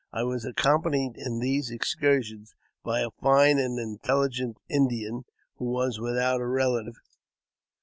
I was accompanied in these excursions by a fine and intelligent Indian, who was without a relative.